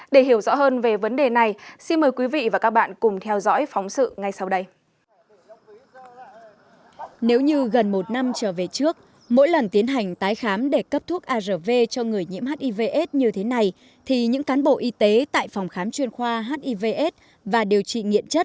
để hiểu rõ hơn về vấn đề này xin mời quý vị và các bạn cùng theo dõi